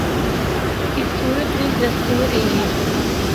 اس صورت وچ دستور ایہا۔